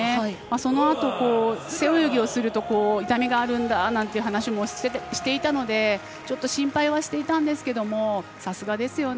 そのあと、背泳ぎをすると痛みがあるんだという話もしていたので、ちょっと心配はしていたんですけどもさすがですよね。